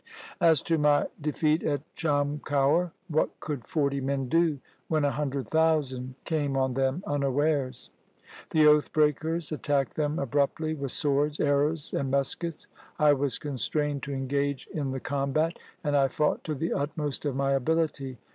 1 < As to my defeat at Chamkaur, what could forty men do when a hundred thousand came on them unawares ? The oath breakers attacked them abruptly with swords, arrows, and muskets. I was constrained to engage in the combat, and I fought to the utmost of my ability.